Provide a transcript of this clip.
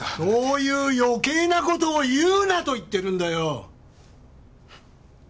そういう余計なことを言うなと言ってるんだよ！